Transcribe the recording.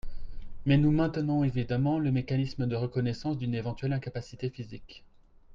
Mais nous maintenons évidemment le mécanisme de reconnaissance d’une éventuelle incapacité physique.